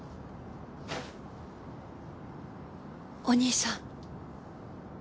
お兄さん